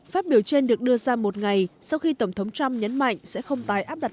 phát biểu trên được đưa ra một ngày sau khi tổng thống trump nhấn mạnh sẽ không tái áp đặt